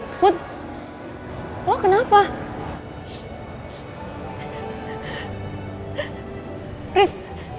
kok jadi gue yang nangis